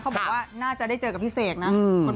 บอกว่าน่าจะได้เจอกับพี่เสกนะ